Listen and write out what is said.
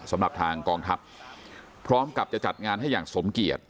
สำหรับทางกองทัพพร้อมกับจะจัดงานให้อย่างสมเกียจ